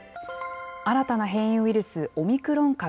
新たな変異ウイルス、オミクロン株。